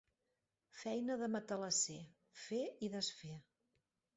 Feina de matalasser, fer i desfer.